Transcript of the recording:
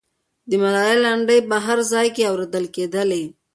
د ملالۍ لنډۍ به په هر ځای کې اورېدلې کېدلې.